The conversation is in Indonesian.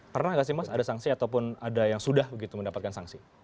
pernah nggak sih mas ada sanksi ataupun ada yang sudah begitu mendapatkan sanksi